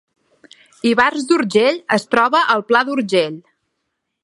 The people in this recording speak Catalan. Ivars d’Urgell es troba al Pla d’Urgell